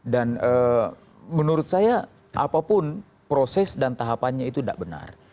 dan menurut saya apapun proses dan tahapannya itu nggak benar